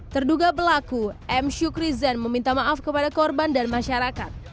terduga pelaku m syukri zen meminta maaf kepada korban dan masyarakat